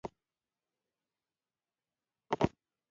له نورو سره د اجتماعي خوی په اساس پوهوي.